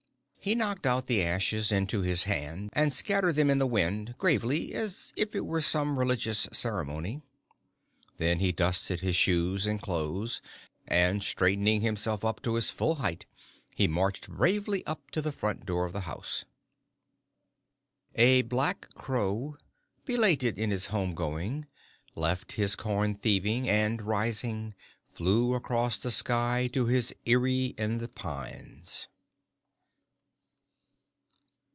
He knocked out the ashes into his hand and scattered them to the wind, gravely, as if it were some religious ceremony. Then he dusted his shoes and clothes, and straightening himself up to his full height, he marched bravely up to the front door of the house.... ... A black crow, belated in his home going, left his corn thieving, and, rising, flew across the sky to his eyrie in the pines.